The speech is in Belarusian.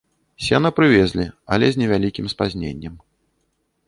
Сена прывезлі, але з невялікім спазненнем.